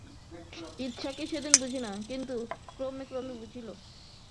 ইচ্ছা কী সেদিন বুঝিল না কিন্তু ক্রমে ক্রমে বুঝিল।